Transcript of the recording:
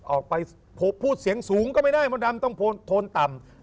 ออกไปพูดเสียงสูงก็ไม่ได้มดดำต้องโทนต่ำ